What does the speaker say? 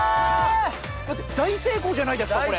大成功じゃないですかこれ。